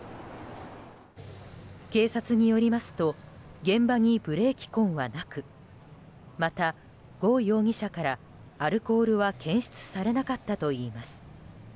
警察によりますと現場にブレーキ痕はなくまた、ゴ容疑者からアルコールは検出されなかったといいます。